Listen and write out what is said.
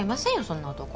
そんな男。